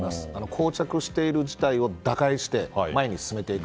膠着している事態を打開して前に進めていく。